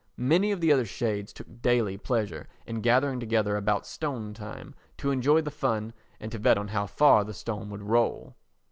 Many of the other shades took daily pleasure in gathering together about stone time to enjoy the fun and to bet on how far the stone would roll.